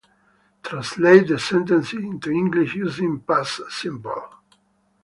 Translate the sentences into English using Past Simple.